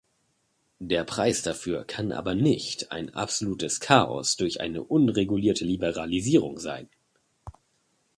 Der Preis dafür kann aber nicht ein absolutes Chaos durch eine unregulierte Liberalisierung sein.